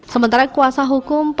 sementara kuasa hukum